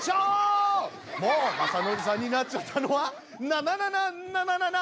もう雅紀さんになっちゃったのはなななななななな